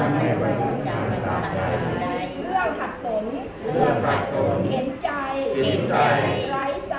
เรื่องผัดสนเข็นใจ